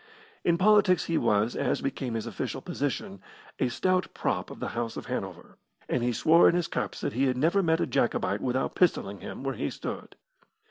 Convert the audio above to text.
In politics he was, as became his official position, a stout prop of the House of Hanover, and he swore in his cups that he had never met a Jacobite without pistolling him where he stood.